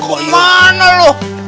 mau kemana lu